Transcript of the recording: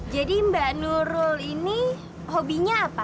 jadi mbak nurul ini hobinya apa